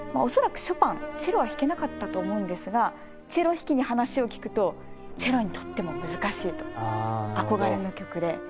恐らくショパンチェロは弾けなかったと思うんですがチェロ弾きに話を聞くとチェロにとっても難しいと憧れの曲で。